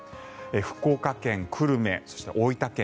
福岡県久留米そして大分県